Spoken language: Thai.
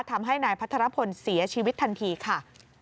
ทำให้นายพัทรพลเสียชีวิตทันทีค่ะ